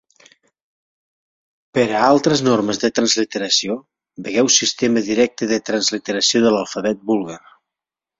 Per a altres normes de transliteració vegeu sistema directe de transliteració de l'alfabet búlgar.